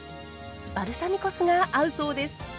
バルサミコ酢が合うそうです。